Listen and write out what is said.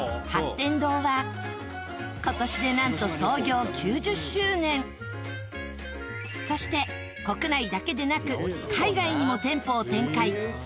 天堂は今年でなんとそして国内だけでなく海外にも店舗を展開